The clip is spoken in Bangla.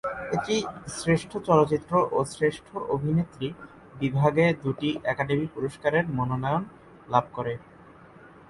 এটি শ্রেষ্ঠ চলচ্চিত্র ও শ্রেষ্ঠ অভিনেত্রী বিভাগে দুটি একাডেমি পুরস্কারের মনোনয়ন লাভ করে।